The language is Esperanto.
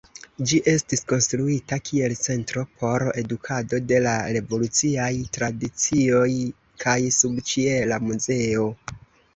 Ĝi estis konstruita kiel centro por edukado de la revoluciaj tradicioj kaj subĉiela muzeo.